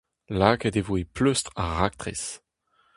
Lakaet e vo e pleustr ar raktres.